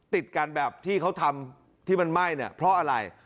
ติดกันแบบที่เขาทำที่มันไหม้เนี่ยเพราะอะไร